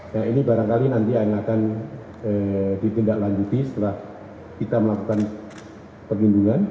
nah ini barangkali nanti akan ditindaklanjuti setelah kita melakukan perlindungan